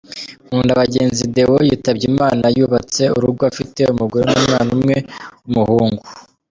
Nkundabagenzi Deo yitabye Imana yubatse urugo afite umugore n’umwana umwe w’umuhungu.